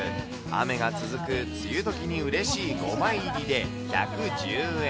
雨が続く梅雨どきにうれしい５枚入りで１１０円。